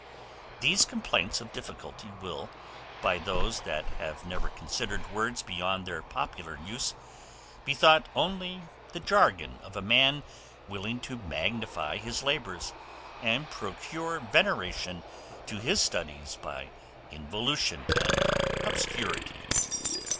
These complaints of difficulty will, by those that have never considered words beyond their popular use, be thought only the jargon of a man willing to magnify his labors, and procure veneration to his studies by involution and obscurity.